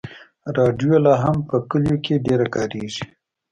راډیو لا هم په کلیو کې ډېره کارېږي.